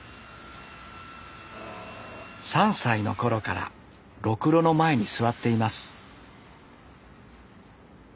３歳の頃からろくろの前に座っています。